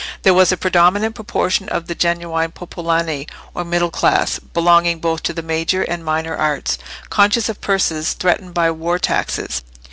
There was a predominant proportion of the genuine popolani or middle class, belonging both to the Major and Minor Arts, conscious of purses threatened by war taxes.